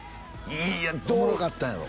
いやおもろかったんやろ？